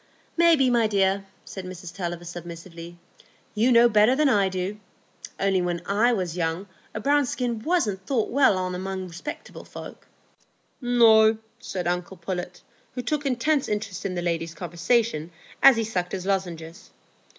"Maybe, my dear," said Mrs Tulliver, submissively. "You know better than I do. Only when I was young a brown skin wasn't thought well on among respectable folks." "No," said uncle Pullet, who took intense interest in the ladies' conversation as he sucked his lozenges.